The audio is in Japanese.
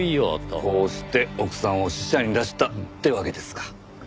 こうして奥さんを使者に出したってわけですか。